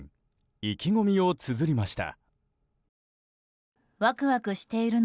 意気込みをつづりました。